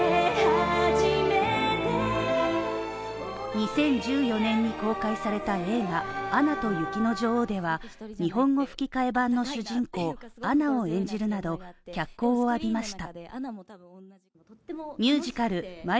２０１４年に公開された映画「アナと雪の女王」では日本語吹替版の主人公アナを演じるなど、脚光を浴びました。